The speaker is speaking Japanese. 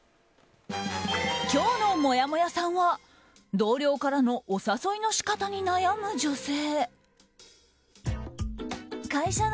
今日のもやもやさんは同僚からのお誘いの仕方に悩む女性。